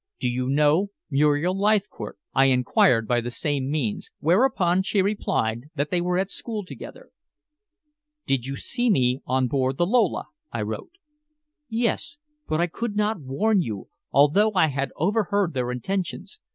"Do you know Muriel Leithcourt?" I inquired by the same means, whereupon she replied that they were at school together. "Did you see me on board the Lola?" I wrote. "Yes. But I could not warn you, although I had overheard their intentions.